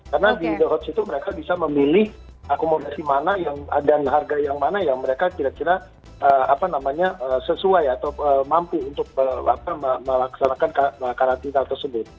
karena di the hots itu mereka bisa memilih akomodasi mana dan harga yang mana yang mereka kira kira sesuai atau mampu untuk melaksanakan karantina tersebut